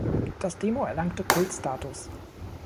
Das Demo erlangte Kultstatus.